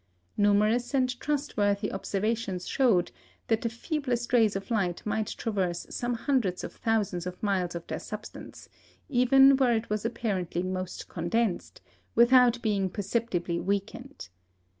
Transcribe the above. Numerous and trustworthy observations showed that the feeblest rays of light might traverse some hundreds of thousands of miles of their substance, even where it was apparently most condensed, without being perceptibly weakened.